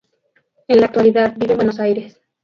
En la actualidad vive en Buenos Aires.